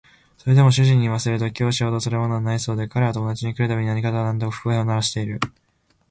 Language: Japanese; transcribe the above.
それでも主人に言わせると教師ほどつらいものはないそうで彼は友達が来る度に何とかかんとか不平を鳴らしている